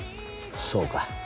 そうか。